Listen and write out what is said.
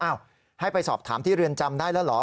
ให้ไปสอบถามที่เรือนจำได้แล้วเหรอ